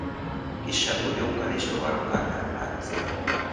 Kisebb bogyókkal és rovarokkal táplálkozik.